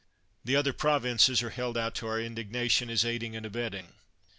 1 The other provinces are held out to our indignation as aiding and abetting.